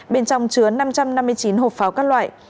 bên trong chứa năm trăm năm mươi chín hộp pháo các loại